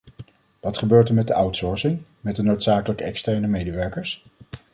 Wat gebeurt er met de outsourcing, met de noodzakelijke externe medewerkers?